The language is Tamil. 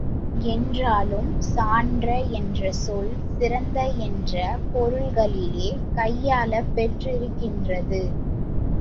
என்றாலும், சான்ற என்ற சொல் சிறந்த என்ற பொருள்களிலேயே கையாளப் பெற்றிருக்கின்றது.